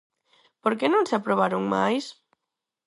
¿Por que non se aprobaron máis?